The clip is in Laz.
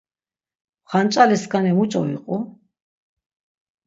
Xanç̌aliskani muç̌o iqu?